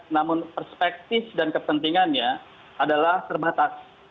namun perspektif dan kepentingannya adalah terbatas